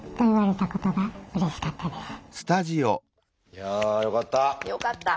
いやあよかった！